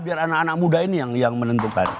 biar anak anak muda ini yang menentukan